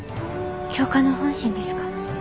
教官の本心ですか？